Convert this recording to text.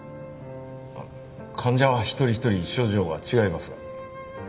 患者は一人一人症状が違いますが。